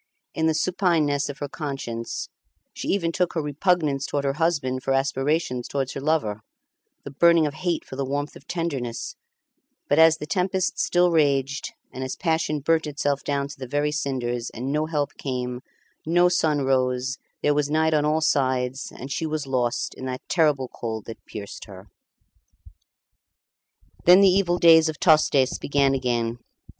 In the supineness of her conscience she even took her repugnance towards her husband for aspirations towards her lover, the burning of hate for the warmth of tenderness; but as the tempest still raged, and as passion burnt itself down to the very cinders, and no help came, no sun rose, there was night on all sides, and she was lost in the terrible cold that pierced her. Then the evil days of Tostes began again.